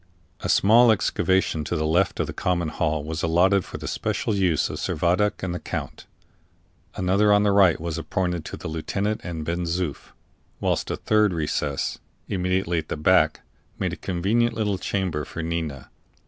A small excavation to the left of the common hall was allotted for the special use of Servadac and the count; another on the right was appropriated to the lieutenant and Ben Zoof; whilst a third recess, immediately at the back, made a convenient little chamber for Nina.